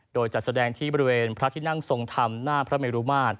โดยจัดแสดงที่บริเวณพระที่นั่งทรงธรรมหน้าพระเมรุมาตร